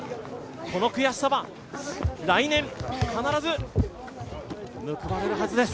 この悔しさは来年必ず報われるはずです。